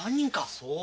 そう。